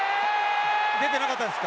出てなかったですか？